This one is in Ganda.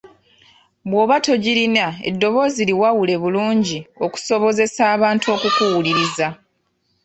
Bw’oba togirina eddoboozi liwawule bulungi okusobozesa abantu okukuwuliriza.